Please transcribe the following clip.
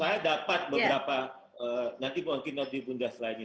saya dapat beberapa nanti mungkin nanti bunda selain ini